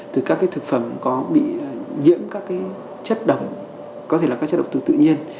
từ các thực phẩm có bị nhiễm các chất độc có thể là các chất độc từ tự nhiên